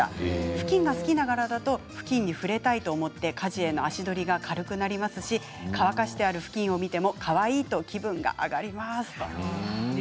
ふきんが好きな柄だとふきんに触れたいと思って家事への足取りが軽くなりますし乾かしているふきんを見てもかわいいと気分が上がります。